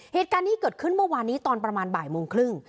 เหตุการณ์นี้เกิดขึ้นเมื่อวานนี้ตอนประมาณบ่ายโมงครึ่ง